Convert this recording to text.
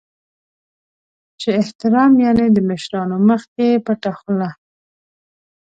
چې احترام یعنې د مشرانو مخکې پټه خوله .